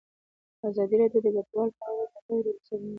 ازادي راډیو د کډوال په اړه د غیر دولتي سازمانونو رول بیان کړی.